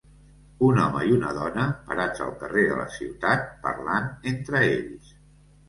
Un home i una dona parats al carrer de la ciutat parlant entre ells.